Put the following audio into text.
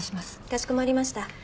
かしこまりました。